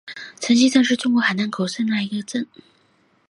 城西镇是中国海南省海口市龙华区下辖的一个镇。